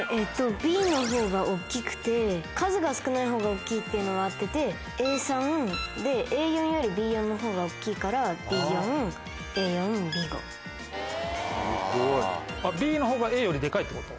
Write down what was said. Ｂのほうが大っきくて数が少ないほうが大きいっていうのは合っててＡ３でＡ４よりＢ４のほうが大きいからＢ４Ａ４Ｂ５。ってこと？